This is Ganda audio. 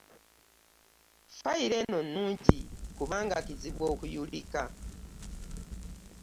Foyiro eno nnungi kubanga kizibu okuyulika.